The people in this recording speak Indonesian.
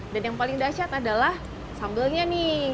dan yang paling dasyat adalah sambelnya nih